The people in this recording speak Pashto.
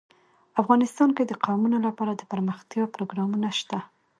افغانستان کې د قومونه لپاره دپرمختیا پروګرامونه شته.